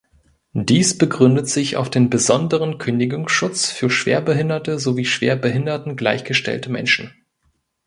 Dies begründet sich auf den besonderen Kündigungsschutz für schwerbehinderte sowie Schwerbehinderten gleichgestellten Menschen.